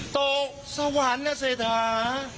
โต๊ะสวรรค์นะเศรษฐา